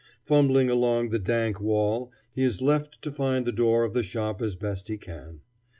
Fumbling along the dank wall, he is left to find the door of the shop as best he can.